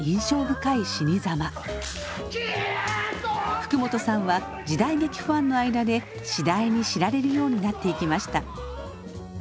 福本さんは時代劇ファンの間で次第に知られるようになっていきました。